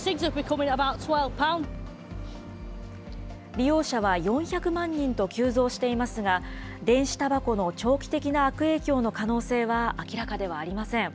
利用者は４００万人と急増していますが、電子たばこの長期的な悪影響の可能性は明らかではありません。